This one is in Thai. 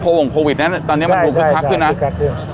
โอ้โหโพวิดเนี้ยตอนเนี้ยมันคือคักขึ้นนะใช่ใช่คือคักขึ้น